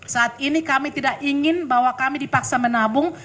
saat ini kami tidak ingin bahwa kami dipaksa menabung